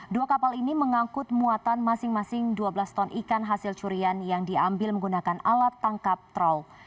dua kapal ini mengangkut muatan masing masing dua belas ton ikan hasil curian yang diambil menggunakan alat tangkap trol